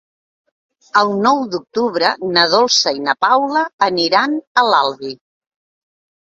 El nou d'octubre na Dolça i na Paula aniran a l'Albi.